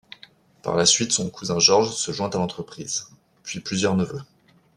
Par la suite son cousin Georges se joint à l'entreprise, puis plusieurs neveux.